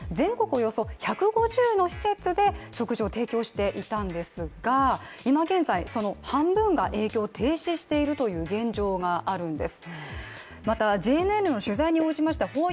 およそ１５０の施設で食事を提供していたんですが今現在、その半分が営業停止しているという現状があるんです。